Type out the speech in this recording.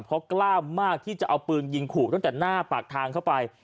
เพราะกล้ามมากที่จะเอาปืนยิงขู่ตั้งแต่หน้าปากทางเข้าไป